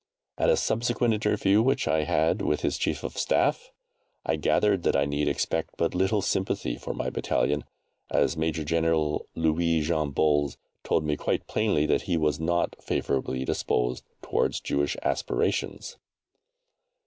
At a subsequent interview which I had with his Chief of Staff, I gathered that I need expect but little sympathy for my battalion, as Major General Louis Jean Bols told me quite plainly that he was not favourably disposed towards Jewish aspirations.